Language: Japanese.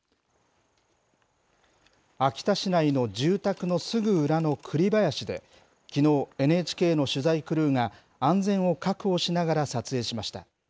秋田市内の住宅のすぐ裏のくり林できのう、ＮＨＫの取材クルーが安全を確保しながら撮影しました。